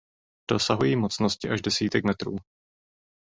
Dosahují mocnosti až desítek metrů.